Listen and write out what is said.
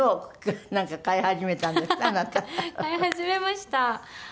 飼い始めました。